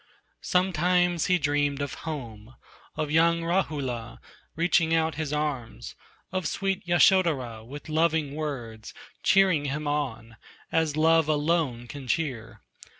Sometimes he dreamed of home, Of young Rahula, reaching out his arms, Of sweet Yasodhara with loving words Cheering him on, as love alone can cheer.